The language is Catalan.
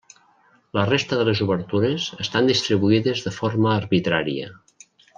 La resta de les obertures estan distribuïdes de forma arbitrària.